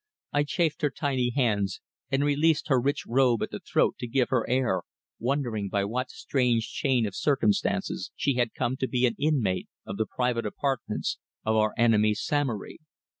I chafed her tiny hands, and released her rich robe at the throat to give her air, wondering by what strange chain of circumstances she had come to be an inmate of the private apartments of our enemy Samory.